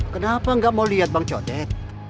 kenapa gak mau liat bang codek